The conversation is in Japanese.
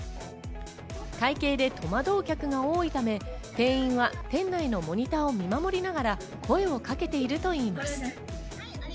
会計で戸惑う客が多いため店員は店内のモニターを見守りながら声をかけているといいます。